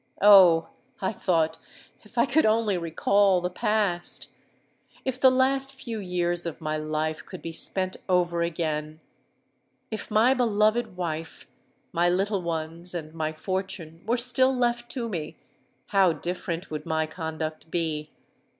Oh! I thought, if I could only recall the past: if the last few years of my life could be spent over again—if my beloved wife, my little ones, and my fortune were still left to me—how different would my conduct be!